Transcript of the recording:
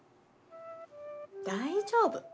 大丈夫。